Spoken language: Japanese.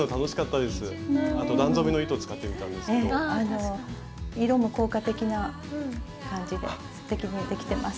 あの色も効果的な感じですてきにできてます。